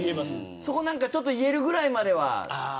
そこを、何かちょっと言えるぐらいまでは。